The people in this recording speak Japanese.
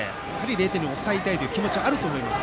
０点に抑えたい気持ちはあると思います。